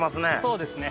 そうですね